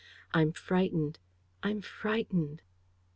I'm frightened ... I'm frightened.